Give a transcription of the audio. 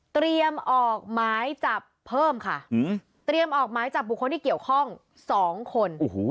เตรียมออกไม้จับเพิ่มค่ะเตรียมออกไม้จับบุคคลที่เกี่ยวข้อง๒คน